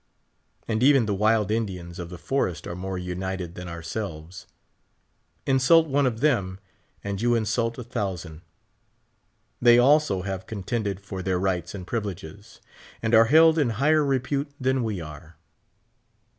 And even the wild Indians of tlie forest are more united than ourselves. Insult one of them and 5"ou insult a thousand. They also have* con tended for their rights and privileges, and are held in higlier repute than we are.